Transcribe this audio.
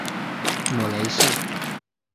母雷氏。